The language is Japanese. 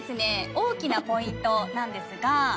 大きなポイントなんですが。